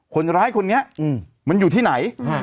คนร้ายคนนี้มันอยู่ที่ไหน